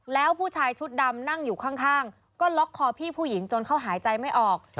แล้วผู้ชายชุดดำนั่งอยู่ข้างก็ล็อกคอพี่ผู้หญิงจนเขาหายใจไม่ออก